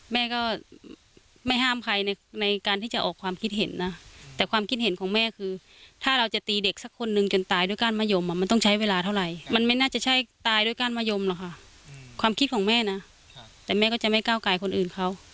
แม่ก็ไม่ห้ามใครในการที่จะออกความคิดเห็นนะแต่ความคิดเห็นของแม่คือถ้าเราจะตีเด็กสักคนนึงจนตายด้วยก้านมะยมมันต้องใช้เวลาเท่าไหร่มันไม่น่าจะใช่ตายด้วยก้านมะยมหรอกค่ะความคิดของแม่นะแต่แม่ก็จะไม่ก้าวกายคนอื่นเขา